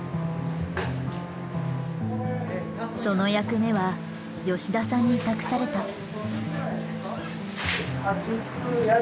その役目は吉田さんに託された。